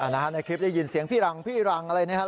ในคลิปได้ยินเสียงพี่หลังว่าพี่หลังพี่หลังอะไรแนะครับ